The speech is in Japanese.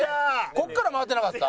ここから回ってなかった？